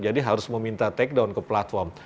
jadi harus meminta tag down ke platform